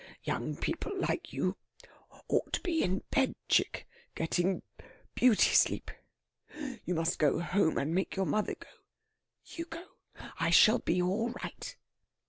"Young people like you ought to be in bed, chick, getting beauty sleep. You must go home, and make your mother go.... You go. I shall be all right...."